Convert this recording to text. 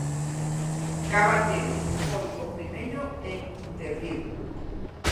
Caballero foi o primeiro en intervir.